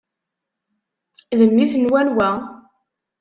D mmi-s n wanwa?